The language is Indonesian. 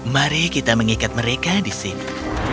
mari kita mengikat mereka di sini